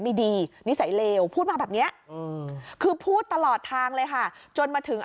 ไม่ดีนิสัยเลวพูดมาแบบนี้คือพูดตลอดทางเลยค่ะจนมาถึง